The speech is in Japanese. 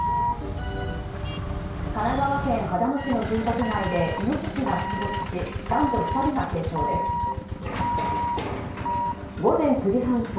神奈川県秦野市の住宅街でイノシシが出没し男女２人が軽傷です。